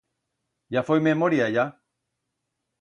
Ya foi memoria, ya...